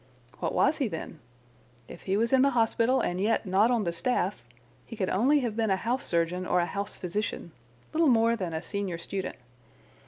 What was he, then? If he was in the hospital and yet not on the staff he could only have been a house surgeon or a house physician—little more than a senior student.